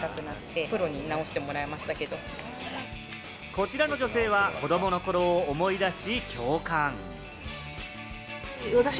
こちらの女性は子どもの頃を思い出し、共感。